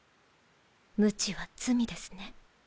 無知は罪ですね。